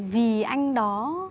vì anh đó